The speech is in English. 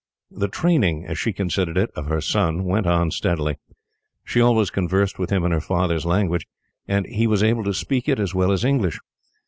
The training, as she considered it, of her son went on steadily. She always conversed with him in her father's language, and he was able to speak it as well as English.